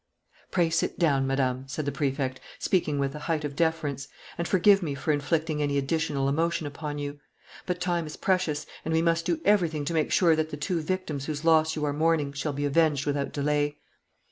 "Pray sit down, Madame," said the Prefect, speaking with the height of deference, "and forgive me for inflicting any additional emotion upon you. But time is precious; and we must do everything to make sure that the two victims whose loss you are mourning shall be avenged without delay."